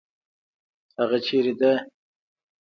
هغه چیرې ده؟